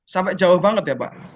sampai jauh banget ya pak